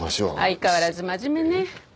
相変わらず真面目ね。